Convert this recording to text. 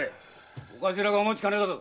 お頭がお待ちかねだぞ。